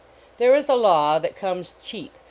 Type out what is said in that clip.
Then 19 a law that COmeS cheap.